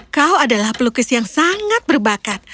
kau adalah pelukis yang sangat berbakat